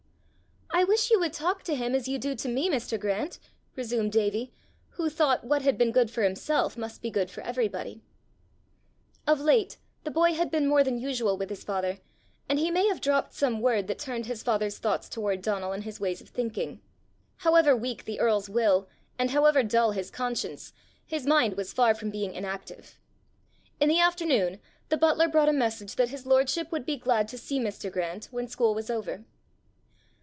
"I wish you would talk to him as you do to me, Mr. Grant!" resumed Davie, who thought what had been good for himself must be good for everybody. Of late the boy had been more than usual with his father, and he may have dropped some word that turned his father's thoughts toward Donal and his ways of thinking: however weak the earl's will, and however dull his conscience, his mind was far from being inactive. In the afternoon the butler brought a message that his lordship would be glad to see Mr. Grant when school was over.